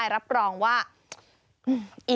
รับรองว่าอิ่ม